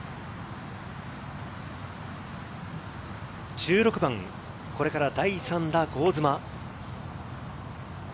１６番、これが第３打、香妻。